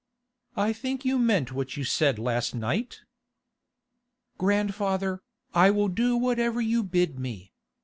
'I think you meant what you said last night?' 'Grandfather, I will do whatever you bid me.